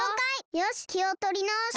よしきをとりなおして。